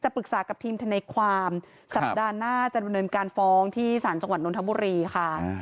จะปรึกษากับทีมธนิคความสัปดาห์หน้าจะบริเวณการฟ้องที่สหรัฐจังหวัดนทบุรีค่ะ